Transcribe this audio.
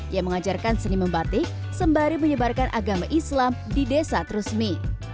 yang mengajarkan seni membatik sembari menyebarkan agama islam di desa trusmi